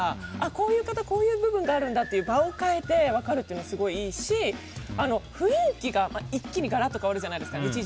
こういう方はこういう部分があるんだと場を変えて分かるっていうのはすごくいいし日常から雰囲気が一気にガラッと変わるじゃないですか。